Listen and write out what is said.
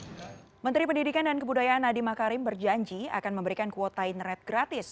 hai menteri pendidikan dan kebudayaan adi makarim berjanji akan memberikan kuota internet gratis